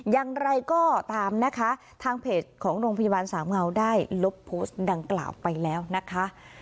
อย่างไรก็ตามนะคะทางเพจของโรงพยาบาลสามเงาได้ลบโพสต์ดังกล่าวไปแล้วนะคะ